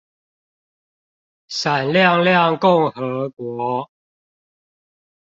閃亮亮共和國